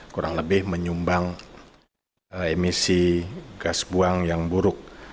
kurang lebih menyumbang emisi gas buang yang buruk